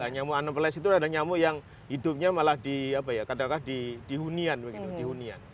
nyamu anopeles itu adalah nyamu yang hidupnya malah di apa ya kadang kadang di hunian